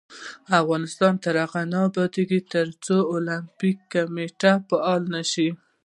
افغانستان تر هغو نه ابادیږي، ترڅو د اولمپیک کمیټه فعاله نشي.